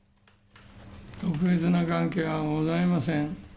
特別な関係はございません。